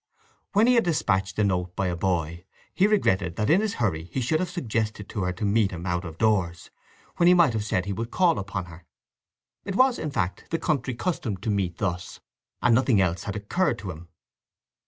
When he had despatched the note by a boy he regretted that in his hurry he should have suggested to her to meet him out of doors, when he might have said he would call upon her. It was, in fact, the country custom to meet thus, and nothing else had occurred to him.